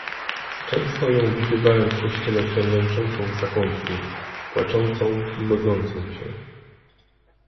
"Często ją widywałem w kościele klęczącą w zakątku, płaczącą i modlącą się."